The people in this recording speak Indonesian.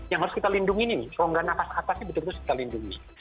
yang harus kita lindungi nih kalau tidak nafas atasnya betul betul kita lindungi